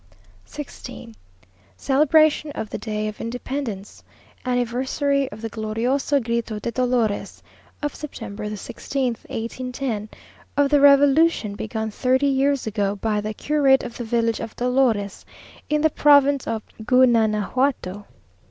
16th. Celebration of the Day of Independence, Anniversary of the "Glorioso Grito de Dolores," of September the 16th, 1810; of the revolution begun thirty years ago, by the curate of the village of Dolores in the province of Gunanajuato.